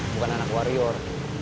bukan anak warrior